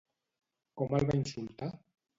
Com el va insultar?